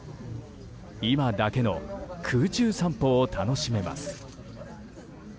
今だけの空中散歩を楽しめます。